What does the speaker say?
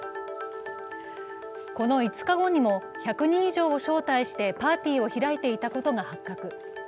この５日後にも１００人以上を招待してパーティーを開いていたことが発覚。